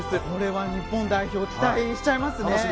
これは日本代表期待しちゃいますね。